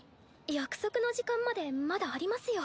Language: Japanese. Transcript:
約束の時間までまだありますよ。